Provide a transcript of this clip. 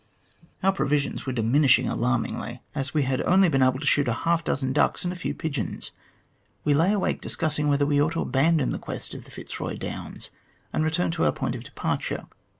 Our provisions were diminishing alarmingly, as we had only been THE EXPERIENCES OF A PIONEER SQUATTER 87 able to shoot half a dozen ducks and a few pigeons. "We lay awake discussing whether we ought to abandon the quest of the Fitzroy Downs and return to our point of departure.